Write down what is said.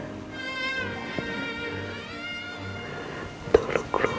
aku cuma butuh ruang untuk sendiri mirna